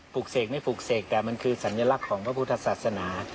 เสกไม่ปลูกเสกแต่มันคือสัญลักษณ์ของพระพุทธศาสนา